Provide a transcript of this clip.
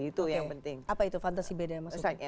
itu yang penting apa itu fantasi beda yang maksudnya